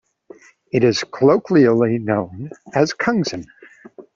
It is colloquially known as "Kungsan".